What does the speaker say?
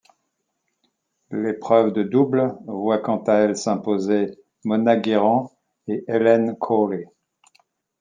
L'épreuve de double voit quant à elle s'imposer Mona Guerrant et Helen Cawley.